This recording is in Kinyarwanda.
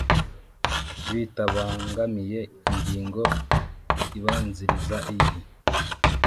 Bitabangamiye ingingo ibanziriza iyi